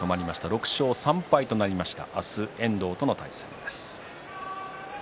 ６勝３敗となりました。